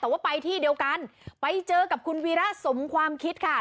แต่ว่าไปที่เดียวกันไปเจอกับคุณวีระสมความคิดค่ะ